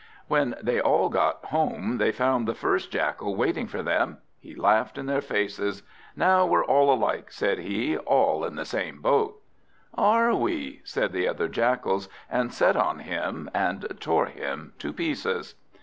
When they all got home, they found the first Jackal waiting for them. He laughed in their faces. "Now we're all alike," said he, "all in the same boat." "Are we?" said the other Jackals, and set on him and tore him to pieces.